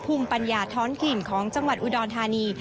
ภูมิปัญญาท้อนถิ่นของจังหวัดอุดรธานี